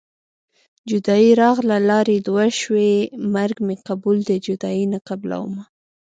جدايي راغله لارې دوه شوې مرګ مې قبول دی جدايي نه قبلومه